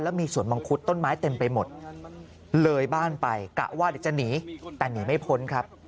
มีสวนมังคุดต้นไม้เต็มไปหมดเลยบ้านไปกะว่าเดี๋ยวจะหนีแต่หนีไม่พ้นครับ